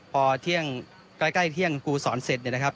พอเที่ยงใกล้เที่ยงครูสอนเสร็จเนี่ยนะครับ